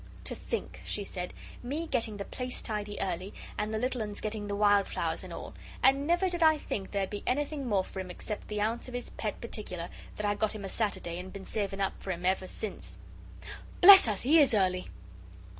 "To think!" she said, "me getting the place tidy early, and the little 'uns getting the wild flowers and all when never did I think there'd be anything more for him except the ounce of his pet particular that I got o' Saturday and been saving up for 'im ever since. Bless us! 'e IS early!"